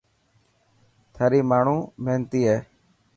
ٿري ماڻهو محنتي هي.